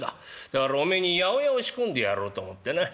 だからおめえに八百屋を仕込んでやろうと思ってな。